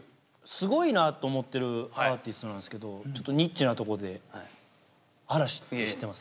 すごいなと思ってるアーティストなんですけどちょっとニッチなところで嵐って知ってます？